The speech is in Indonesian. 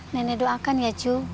nenek doakan ya cu